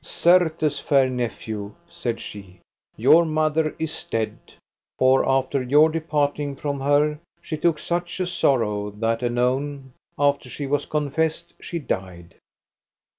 Certes, fair nephew, said she, your mother is dead, for after your departing from her she took such a sorrow that anon, after she was confessed, she died.